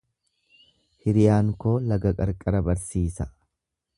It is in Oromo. Hiriyaan koo laga qarqara barsiisa.